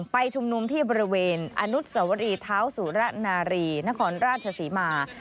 ไปชุมนุมที่บริเวณอนุสวรีเท้าสุระนารีนครราชศรีมา